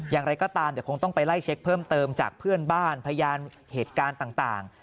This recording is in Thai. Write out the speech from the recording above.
อย่างไรก็ตามเดี๋ยวคงต้องไปไล่เช็คเพิ่มเติมจากเพื่อนบ้านพยานเหตุการณ์ต่าง